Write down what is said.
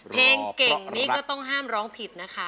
เพลงเก่งนี้ก็ต้องห้ามร้องผิดนะคะ